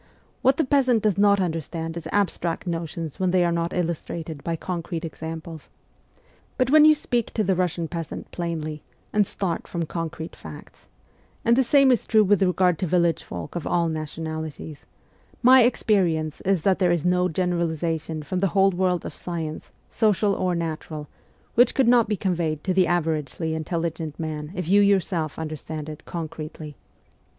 What the peasant does not understand is abstract notions when they are not illustrated by concrete examples. But when you speak to the Kussian peasant plainly, and start from concrete facts and the same is true with regard to village folk of all nationalities my experience is that there is no generalization from the whole world of science, social or natural, which could not be conveyed to the averagely intelligent man if you yourself understand it concretely.